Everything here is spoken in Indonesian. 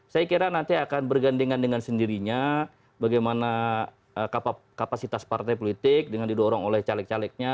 saya kira nanti akan bergandengan dengan sendirinya bagaimana kapasitas partai politik dengan didorong oleh caleg calegnya